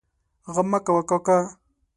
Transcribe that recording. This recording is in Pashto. غم مه کوه کاکا!